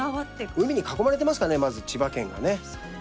海に囲まれてますからね、千葉県が。